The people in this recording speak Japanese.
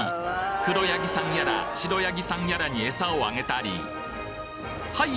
黒ヤギさんやら白ヤギさんやらに餌をあげたりハイ！